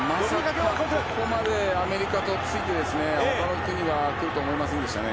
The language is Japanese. ここまでアメリカとついて他の国が来ると思いませんでした。